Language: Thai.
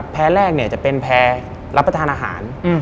แพร่แรกเนี่ยจะเป็นแพร่รับประทานอาหาร